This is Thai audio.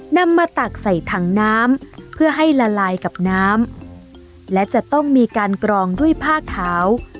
นำมาตักใส่ถังน้ำเพื่อให้ละลายกับน้ำและจะต้องมีการกรองด้วยผ้าขาว